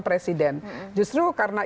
presiden justru karena